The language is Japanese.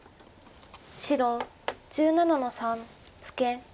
白１７の三ツケ。